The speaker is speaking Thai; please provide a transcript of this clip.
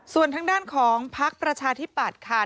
ส่วนทางด้านของพักประชาธิปัตย์ค่ะ